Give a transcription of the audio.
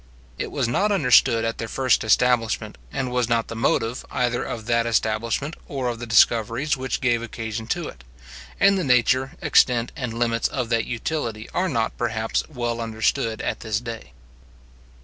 It was not understood at their first establishment, and was not the motive, either of that establishment, or of the discoveries which gave occasion to it; and the nature, extent, and limits of that utility, are not, perhaps, well understood at this day.